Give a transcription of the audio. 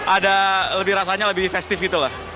ada rasanya lebih festif gitu lah